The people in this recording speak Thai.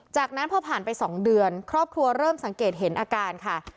จากนั้นพอผ่านไป๒เดือนครอบครัวเริ่มสังเกตเห็นอาการค่ะ